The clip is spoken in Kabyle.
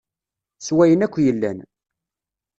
S wayen akk yellan.